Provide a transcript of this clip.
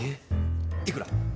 いくら？